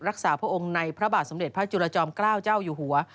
พระองค์ในพระบาทสมเด็จพระจุลจอมเกล้าเจ้าอยู่หัว